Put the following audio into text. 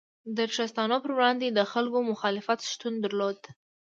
د ټرستانو پر وړاندې د خلکو مخالفت شتون درلود.